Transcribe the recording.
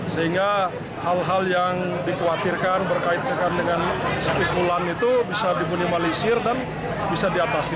sehingga hal hal yang dikhawatirkan berkaitan dengan spekulan itu bisa dibunimalisir dan bisa diatasi